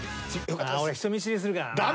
俺人見知りするからな。